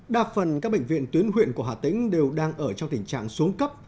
đa phần các bệnh viện tuyến huyện của hà tĩnh đều đang ở trong tình trạng xuống cấp